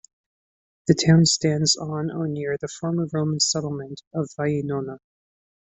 The town stands on or near the former Roman settlement of "Vainona".